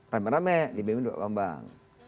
rame rame di bbm dan bambang